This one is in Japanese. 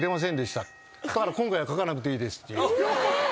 「だから今回は書かなくていいです」って。